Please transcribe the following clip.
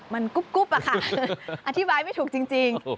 มันกุ๊บอะค่ะอธิบายไม่ถูกจริง